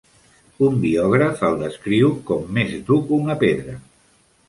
Un biògraf el descriu com "més dur que una pedra".